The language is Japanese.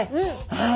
はい。